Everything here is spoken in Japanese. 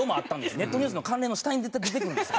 ネットニュースの関連の下に絶対出てくるんですよね。